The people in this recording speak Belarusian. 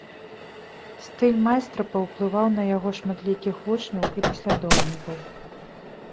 Стыль майстра паўплываў на яго шматлікіх вучняў і паслядоўнікаў.